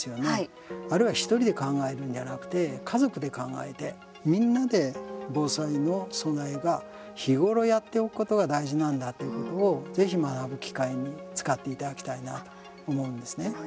あれは１人で考えるんじゃなくて家族で考えてみんなで防災の備えが日頃やっておくことが大事なんだってことをぜひ学ぶ機会に使ってそうですね。